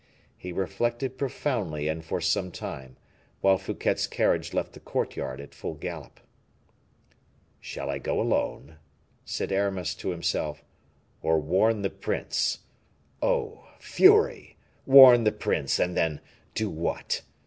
He reflected profoundly and for some time, while Fouquet's carriage left the courtyard at full gallop. "Shall I go alone?" said Aramis to himself, "or warn the prince? Oh! fury! Warn the prince, and then do what?